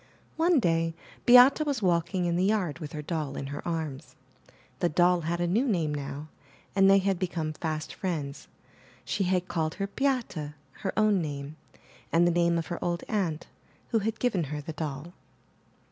One day Beate was walking in the yard with her doll in her arms. The doll had a new name now, and they had become fast friends. She had called her Beate, her own name, and the name of her old aunt who had given her the doll.